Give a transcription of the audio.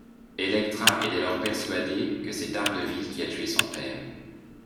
Elektra est dès lors persuadée que c'est Daredevil qui a tué son père.